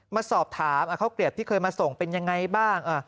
มาสอบถามข้าวเกลียบที่เคยมาส่งเป็นยังไงบ้าง